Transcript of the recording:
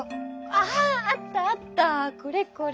あああったあったこれこれ。